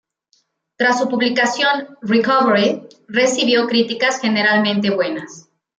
Tras su publicación, "Recovery" recibió críticas generalmente buenas.